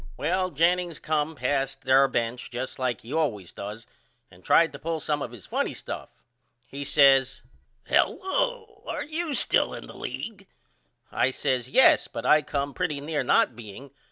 Well, Jennings come passed our bench just like he allways does and tried to pull some of his funny stuff He says Hello are you still in the league? I says Yes but I come pretty near not being.